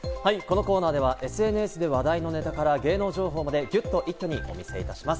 このコーナーではＳＮＳで話題のネタから芸能情報までギュッと一気にお見せいたします。